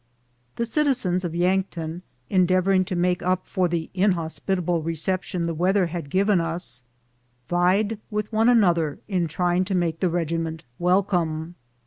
The citizens of Yankton, endeavoring to make np for the inhospitable reception the weatlier had given us, vied with one another in trying to make tlie regiment welcome.